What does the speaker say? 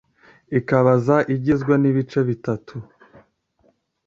Ikazaba igizwe n’ibice bitatu